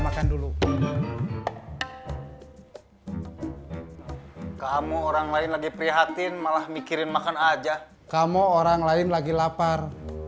makan dulu kamu orang lain lagi prihatin malah mikirin makan aja kamu orang lain lagi lapar